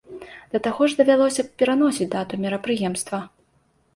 Да таго ж давялося б пераносіць дату мерапрыемства.